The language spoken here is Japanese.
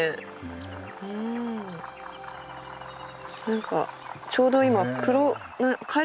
何かちょうど今。